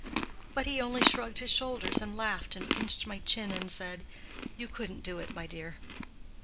But he only shrugged his shoulders and laughed and pinched my chin, and said, 'You couldn't do it, my dear.